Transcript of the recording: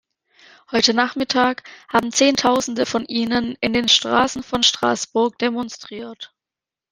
Heute Nachmittag haben Zehntausende von ihnen in den Straßen von Straßburg demonstriert.